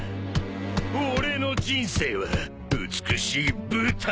俺の人生は美しい舞台！